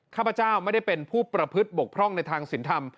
ข้าพเจ้าไม่ได้เป็นผู้ประพฤติบกพร่องในทางสินธรรม